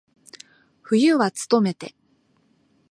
冬はつとめて。